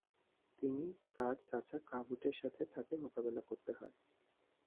তিনি তার চাচা কাভুর্টের সাথে তাকে মোকাবেলা করতে হয়।